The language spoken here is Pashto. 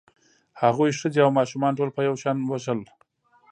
هغوی ښځې او ماشومان ټول په یو شان وژل